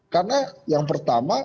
karena yang pertama